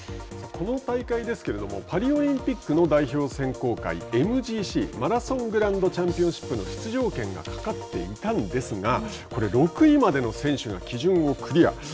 この大会ですけれどもパリオリンピックの代表選考会ＭＧＣ＝マラソングランドチャンピオンシップの出場権がかかっていたんですが６位までの選手が基準をクリア。